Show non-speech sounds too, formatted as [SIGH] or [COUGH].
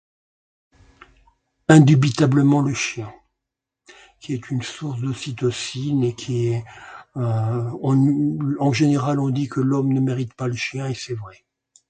Indubitablement le chien qui est une source d'ocytocine et qui est [HESITATION] en général on dit que l'homme ne mérite pas le chien et c'est vrai.